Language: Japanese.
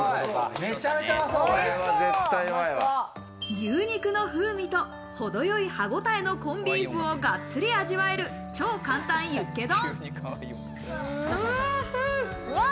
牛肉の風味と程よい歯ごたえのコンビーフをガッツリ味わえる超簡単ユッケ丼。